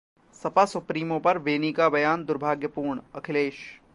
Sapa supremo पर बेनी का बयान दुर्भाग्यपूर्ण: अखिलेश